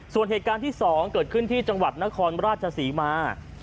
ส่วนเหตุการณ์ที่๒เกิดขึ้นที่จังหวัดนครราชศรีมา